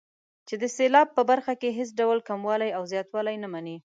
چې د سېلاب په برخه کې هېڅ ډول کموالی او زیاتوالی نه مني.